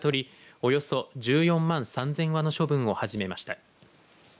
およそ１４万３０００羽の処分を始めました。